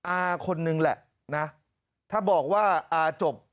อาคนนึงแหละนะถ้าบอกว่าอาจบ